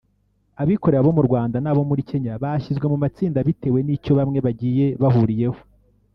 abikorera bo mu Rwanda n’abo muri Kenya bashyizwe mu matsinda bitewe n’icyo bamwe bagiye bahuriyeho